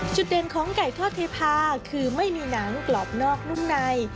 จุดเด่นของไก่ทอดเทพาคือไม่มีหนังกรอบนอกนุ่มใน